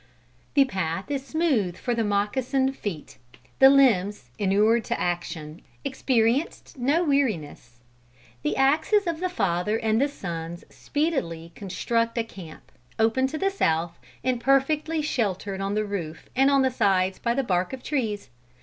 The path is smooth for the moccasined feet. The limbs, inured to action, experienced no weariness. The axes of the father and the sons speedily construct a camp, open to the south and perfectly sheltered on the roof and on the sides by the bark of trees.